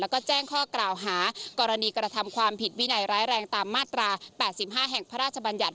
แล้วก็แจ้งข้อกล่าวหากรณีกระทำความผิดวินัยร้ายแรงตามมาตรา๘๕แห่งพระราชบัญญัติ